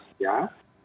atau bisa juga orang lain